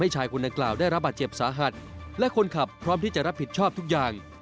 ชายคนดังกล่าวได้รับบาดเจ็บสาหัสและคนขับพร้อมที่จะรับผิดชอบทุกอย่าง